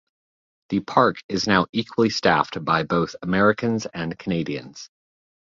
The park is now equally staffed by both Americans and Canadians.